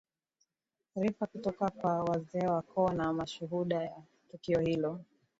rifa kutoka kwa wazee wa koo na mashuhuda wa tukio hilo